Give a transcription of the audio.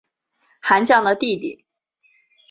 韩绛的弟弟。